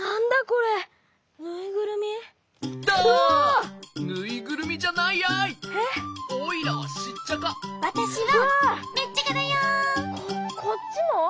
ここっちも？